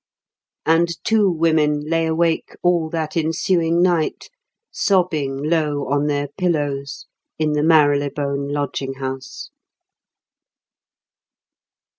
And two women lay awake all that ensuing night sobbing low on their pillows in the Marylebone lodging house.